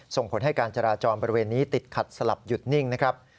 ส่งผลให้การจราจรบริเวณนี้ติดขัดสลับหยุดนิ่งนะครับ